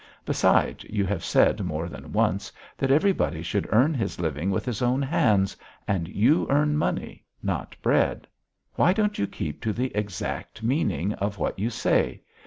Besides you have said more than once that everybody should earn his living with his own hands and you earn money, not bread. Why don't you keep to the exact meaning of what you say?